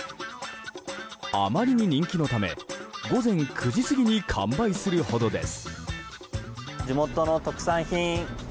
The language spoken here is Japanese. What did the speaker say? あまりに人気のため午前９時過ぎに完売するほどです。